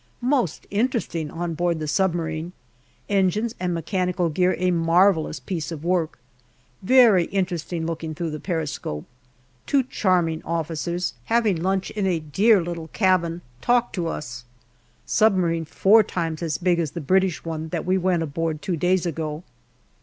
Most interesting on board the submarine. Engines and mechanical gear a marvellous piece of work. Very inter esting looking through the periscope. Two charming officers, having lunch in a dear little cabin, talk to us. Submarine four times as big as the British one that we went aboard two days ago.